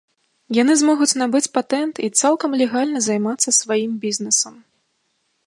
Яны змогуць набыць патэнт і цалкам легальна займацца сваім бізнесам.